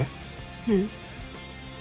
うん。